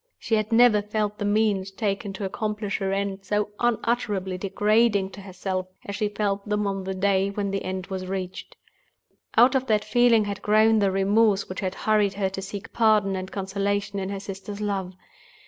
She had never felt the means taken to accomplish her end so unutterably degrading to herself, as she felt them on the day when the end was reached. Out of that feeling had grown the remorse which had hurried her to seek pardon and consolation in her sister's love.